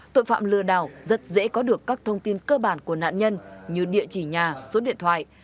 tội phạm lừa đảo rất dễ có được các thông tin cơ bản của nạn nhân như địa chỉ nhà số điện thoại